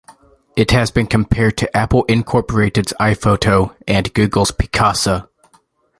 It has been compared to Apple Inc.'s iPhoto and Google's Picasa.